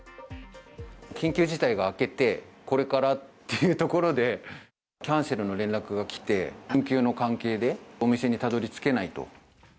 緊急事態が明けて、これからっていうところでキャンセルの連絡が来て、運休の関係でお店にたどりつけないと。